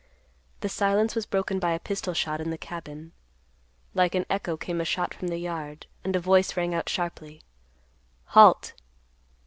The silence was broken by a pistol shot in the cabin. Like an echo came a shot from the yard, and a voice rang out sharply, _"Halt!"